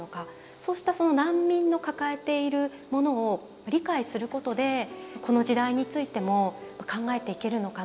そうしたその難民の抱えているものを理解することでこの時代についても考えていけるのかなと。